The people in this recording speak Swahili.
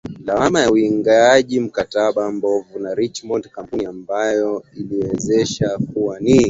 lawama ya uingiaji wa mkataba mbovu na Richmond kampuni ambayo uchunguzi ulionyesha kuwa ni